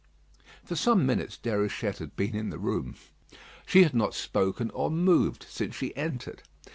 For some minutes Déruchette had been in the room. She had not spoken or moved since she entered.